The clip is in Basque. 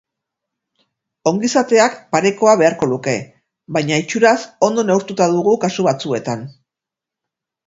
Ongizateak parekoa beharko luke, baina itxuraz ondo neurtuta dugu kasu batzuetan.